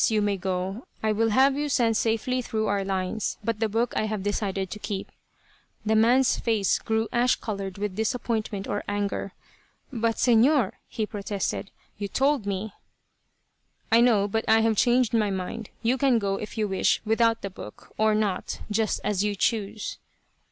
You may go. I will have you sent safely through our lines; but the book I have decided to keep." The man's face grew ash colored with disappointment or anger. "But, Señor," he protested. "You told me " "I know; but I have changed my mind. You can go, if you wish, without the book, or not, just as you choose."